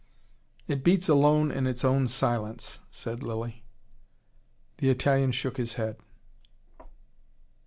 "It beats alone in its own silence," said Lilly. The Italian shook his head.